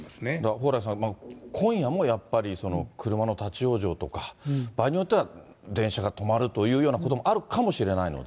蓬莱さん、今夜もやっぱり、車の立往生とか、場合によっては、電車が止まるというようなこともあるかもしれないので。